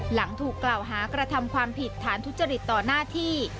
หลังถูกกล่าวหากระทำความผิดฐานทุจริตต่อหน้าที่